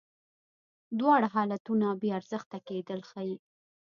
دواړه حالتونه بې ارزښته کېدل ښیې.